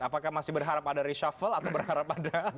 apakah masih berharap ada reshuffle atau berharap ada